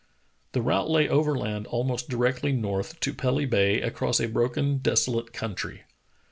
The route lay overland almost directly north, to Pelly Ba}' across a broken, desolate country.